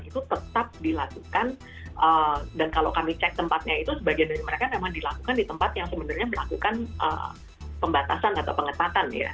itu tetap dilakukan dan kalau kami cek tempatnya itu sebagian dari mereka memang dilakukan di tempat yang sebenarnya melakukan pembatasan atau pengetatan ya